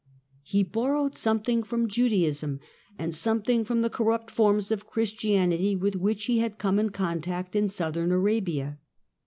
He bor rowed something from Judaism, and something from the corrupt forms of Christianity with which he had come in contact in Southern Arabia.